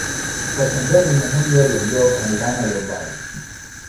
Per Sant Jordi na Núria i en Llop aniran a Llombai.